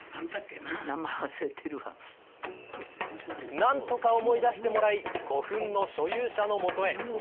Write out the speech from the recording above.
何とか思い出してもらい古墳の所有者の元へ。